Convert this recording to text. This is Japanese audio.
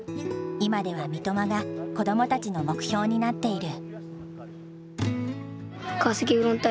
今では三笘が子どもたちの目標になっている。